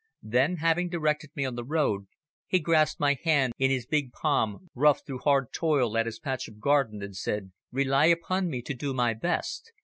Then, having directed me on the road, he grasped my hand in his big palm, rough through hard toil at his patch of garden, and said "Rely upon me to do my best.